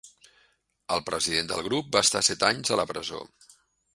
El president del grup va estar set anys a la presó.